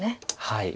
はい。